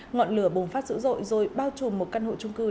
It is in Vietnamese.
ngọn lửa bùng phát dữ dội rồi bao trùm một căn hộ trung cư